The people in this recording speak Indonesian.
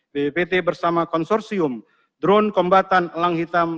bppt bersama konsorsium drone kombatan elang hitam